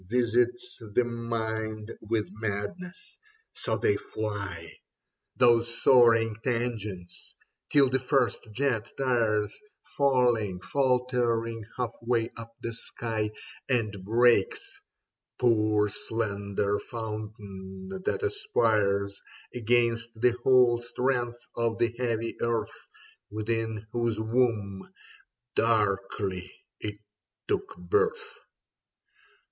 Visits the mind with madness. So they fly, 70 Leda Those soaring tangents, till the first jet tires, Failing, faltering half way up the sky. And breaks — poor slender fountain that aspires Against the whole strength of the heav}^ earth Within whose womb, darkly, it took birth.